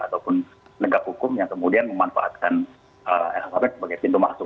ataupun legak hukum yang kemudian memanfaatkan lhkp sebagai pintu masuk